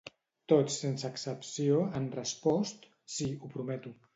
Tots sense excepció han respost: ‘Sí, ho prometo’.